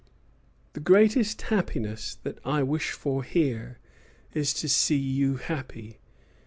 "The greatest happiness that I wish for here is to see you happy."